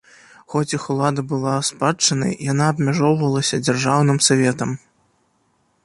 Хоць іх улада была спадчыннай, яна абмяжоўвалася дзяржаўным саветам.